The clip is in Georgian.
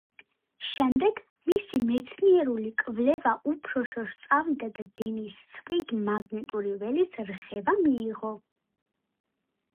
შემდეგმ მისი მეცნიერული კვლევა უფრო შორს წავიდა და დენის ცვლით მაგნიტური ველის რხევა მიიღო.